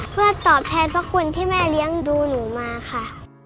เพื่อตอบแทนพระคุณที่แม่เลี้ยงดูหนูมาค่ะ